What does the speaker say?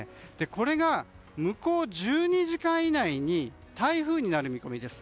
これが向こう１２時間以内に台風になる見込みです。